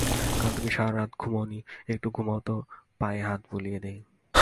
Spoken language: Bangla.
কাল তুমি সারারাত ঘুমোও নি, একটু ঘুমোও তো, পায়ে হাত বুলিয়ে দিই।